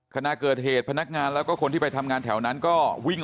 ขณะเกิดเหตุพนักงานแล้วก็คนที่ไปทำงานแถวนั้นก็วิ่ง